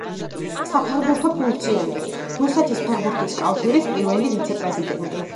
საფეხბურთო ფუნქციონერი, რუსეთის ფეხბურთის კავშირის პირველი ვიცე-პრეზიდენტი.